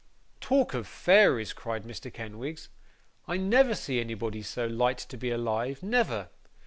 'Talk of fairies!' cried Mr. Kenwigs 'I never see anybody so light to be alive, never.